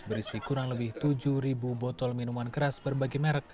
berisi kurang lebih tujuh botol minuman keras berbagai merek